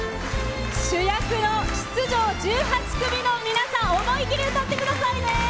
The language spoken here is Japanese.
主役の出場１８組の皆さん思い切り歌ってくださいね！